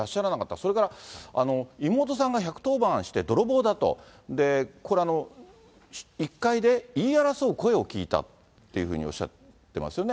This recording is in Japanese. それから妹さんが１１０番して、泥棒だと、これ、１階で言い争う声を聞いたっていうふうにおっしゃってますよね。